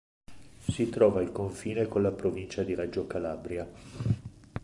Si trova al confine con la provincia di Reggio Calabria.